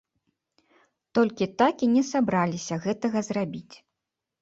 Толькі так і не сабраліся гэтага зрабіць.